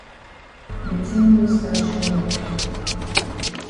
De tin don stat show head.